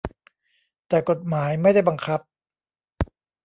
แต่กฎหมายไม่ได้บังคับ